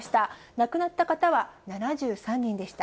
亡くなった方は７３人でした。